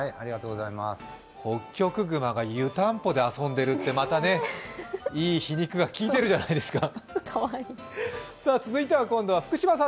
ホッキョクグマが湯たんぽで遊んでるって、またいい皮肉がきいてるじゃないですか。